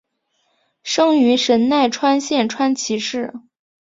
生于神奈川县川崎市。